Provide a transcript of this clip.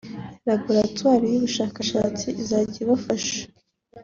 Laboratwari y’ubushakashatsi izajya ibafasha